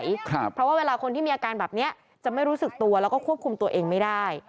เพราะว่าเวลาคนที่มีอาการแบบเนี้ยจะไม่รู้สึกตัวแล้วก็ควบคุมตัวเองไม่ได้